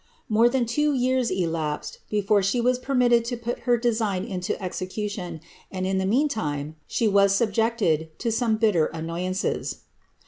'' More than tvo years elapsed before she was permitted to put lier design into execution, and in the mean time she was subjected to some hitter annoyances.